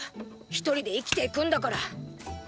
ひとりで生きていくんだから！